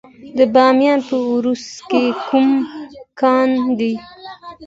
د بامیان په ورس کې کوم کان دی؟